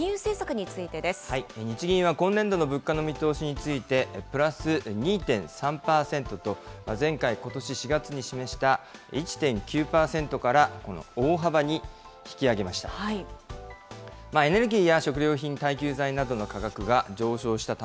日銀は今年度の物価の見通しについて、プラス２．３％と、前回・ことし４月に示した１．９％から大幅に引き上げました。